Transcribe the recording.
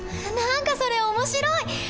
何かそれ面白い！